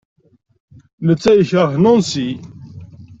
Netta yekṛeh Nancy.